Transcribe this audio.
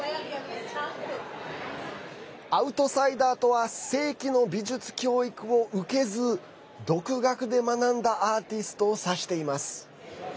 アウトサイダーとは正規の美術教育を受けず独学で学んだアーティストを指しています。